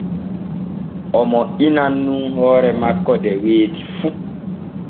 O moƴƴinan nun hoore makko de weeti fu.